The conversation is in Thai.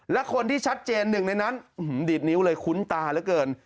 และคนที่ชัดเจนหนึ่งในนั้นดีดนิ้วเลยคุ้นตาเหลือเกิน